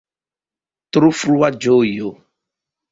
Tro frua ĝojo!